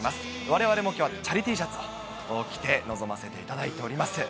われわれもきょうはチャリＴシャツを着て臨ませていただいております。